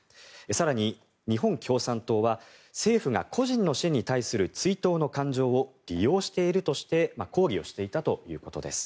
更に日本共産党は政府が個人の死に対する追悼の感情を利用しているとして抗議をしていたということです。